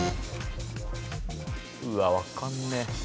うわっ分かんねえ。